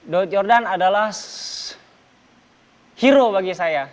daud jordan adalah hero bagi saya